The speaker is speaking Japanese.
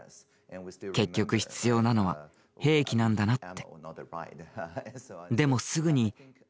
結局必要なのは兵器なんだなって。